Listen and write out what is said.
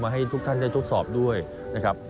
ให้ทุกท่านได้ทดสอบด้วยนะครับ